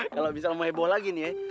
kalau misalnya lo heboh lagi nih ya